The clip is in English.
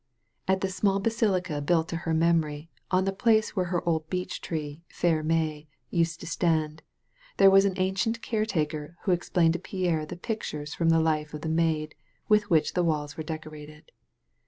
V At the small baalica built to her memory on the place where her old beech tree* "Fair May," used to stand* there was an ancient caretaker who ex plained to Pierre the pictures from the life of the Maid with which the walls are decorated.